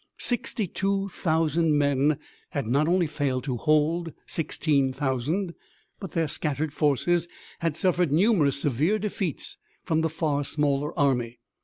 Sixty two thousand men had not only failed to hold sixteen thousand, but their scattered forces had suffered numerous severe defeats from the far smaller army.